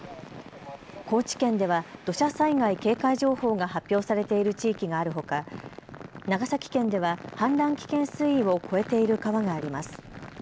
高知県では土砂災害警戒情報が発表されている地域があるほか長崎県では氾濫危険水位を超えている川があります。